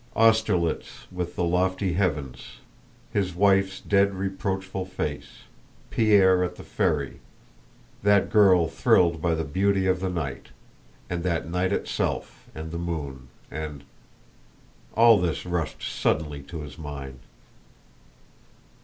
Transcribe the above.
Austerlitz with the lofty heavens, his wife's dead reproachful face, Pierre at the ferry, that girl thrilled by the beauty of the night, and that night itself and the moon, and... all this rushed suddenly to his mind.